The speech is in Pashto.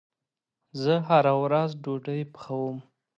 زه هره ورځ ډوډې پخوم